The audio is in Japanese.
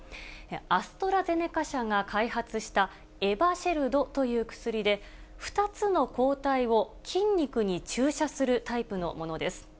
アストラゼネカ社が開発したエバシェルドという薬で、２つの抗体を筋肉に注射するタイプのものです。